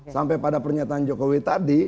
sampai pada pernyataan jokowi tadi